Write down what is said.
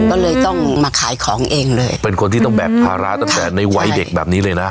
ก็เลยต้องมาขายของเองเลยเป็นคนที่ต้องแบกภาระตั้งแต่ในวัยเด็กแบบนี้เลยนะ